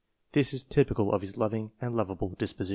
This is typical of his loving and lovable disposition.